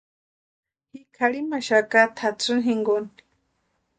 Ji kʼarhimaxaka tʼatsïni jinkoni.